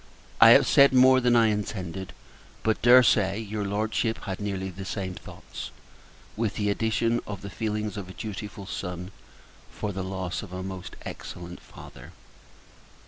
I have said more than I intended; but dare say, your Lordship had nearly the same thoughts with the addition of the feelings of a dutiful Son, for the loss of a most excellent Father.